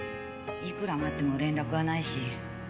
いくら待っても連絡はないし。